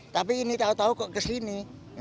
tapi ini tau tau kesini